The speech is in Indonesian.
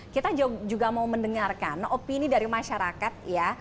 kita juga mau mendengarkan opini dari masyarakat ya